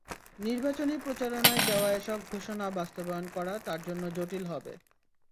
নির্বাচনী প্রচারণায় দেওয়া এসব ঘোষণা বাস্তবায়ন করা তাঁর জন্য জটিল হবে।